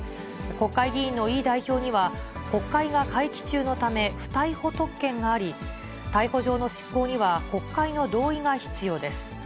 国会議員のイ代表には、国会が会期中のため、不逮捕特権があり、逮捕状の執行には国会の同意が必要です。